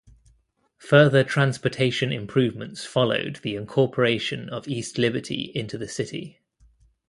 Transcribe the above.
Further transportation improvements followed the incorporation of East Liberty into the city.